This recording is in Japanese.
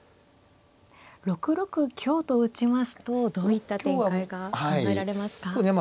６六香と打ちますとどういった展開が考えられますか。